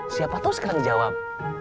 siapa tau sekarang jawab